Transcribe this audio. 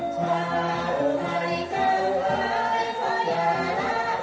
ชาวอุเมริกาไว้พยาบาทไว้ในการทำงานนี้